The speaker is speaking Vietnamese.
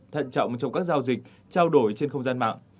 thận trọng trong các giao dịch trao đổi trên không gian mạng